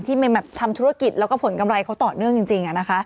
ทำธุรกิจแล้วก็ผลกำไรเขาต่อเนื่องจริง